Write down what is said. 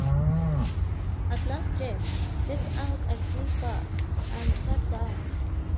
At last Jip let out a great bark and sat down.